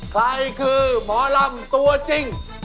ใครคือหมอลำตัวจริง